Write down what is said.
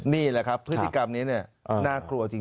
นี่แหละครับพฤติกรรมนี้น่ากลัวจริง